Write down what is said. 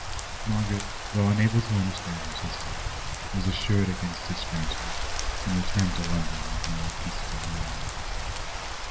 Margaret, though unable to understand her sister, was assured against estrangement, and returned to London with a more peaceful mind.